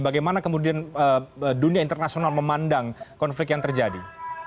bagaimana kemudian dunia internasional memandang konflik yang terjadi